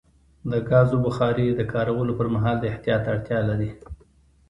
د ګازو بخاري د کارولو پر مهال د احتیاط اړتیا لري.